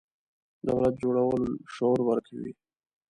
دولت جوړولو شعور ورکوي.